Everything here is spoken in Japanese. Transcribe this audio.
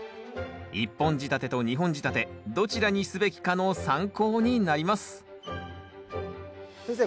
１本仕立てと２本仕立てどちらにすべきかの参考になります先生